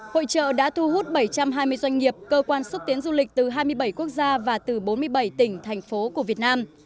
hội trợ đã thu hút bảy trăm hai mươi doanh nghiệp cơ quan xúc tiến du lịch từ hai mươi bảy quốc gia và từ bốn mươi bảy tỉnh thành phố của việt nam